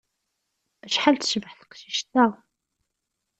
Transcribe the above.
Acḥal tecbeḥ teqcict-a!